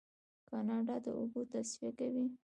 کاناډا د اوبو تصفیه کوي.